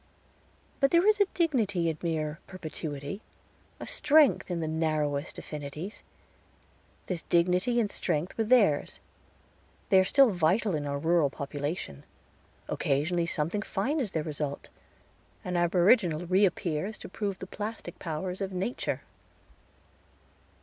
But there is a dignity in mere perpetuity, a strength in the narrowest affinities. This dignity and strength were theirs. They are still vital in our rural population. Occasionally something fine is their result; an aboriginal reappears to prove the plastic powers of nature.